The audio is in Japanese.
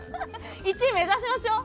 １位目指しましょう！